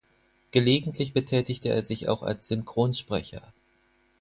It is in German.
Gelegentlich betätigte er sich auch als Synchronsprecher.